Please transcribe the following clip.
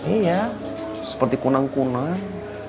iya seperti kunang kunang